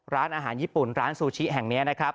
ร้านอาหารญี่ปุ่นร้านซูชิแห่งนี้นะครับ